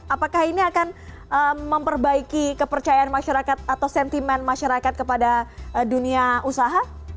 apakah ini akan memperbaiki kepercayaan masyarakat atau sentimen masyarakat kepada dunia usaha